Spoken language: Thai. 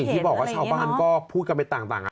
อย่างที่บอกว่าชาวบ้านก็พูดกันไปต่างนานา